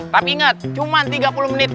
tapi ingat cuma tiga puluh menit